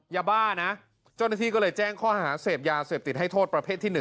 ยาบ้านะเจ้าหน้าที่ก็เลยแจ้งข้อหาเสพยาเสพติดให้โทษประเภทที่๑